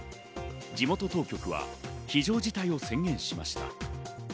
地元当局は非常事態を宣言しました。